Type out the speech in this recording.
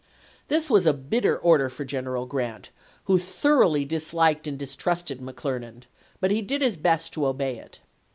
This was a bitter order for Gen eral Grant, who thoroughly disliked and distrusted McClernand, but he did his best to obey it.